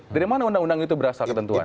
kenapa undang undang itu berasal ketentuan